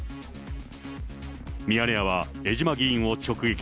ミヤネ屋は江島議員を直撃。